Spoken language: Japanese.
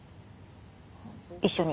一緒に。